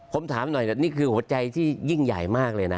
ผมถามหน่อยนี่คือหัวใจที่ยิ่งใหญ่มากเลยนะ